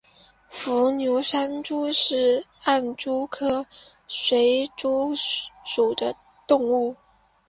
伏牛山隙蛛为暗蛛科隙蛛属的动物。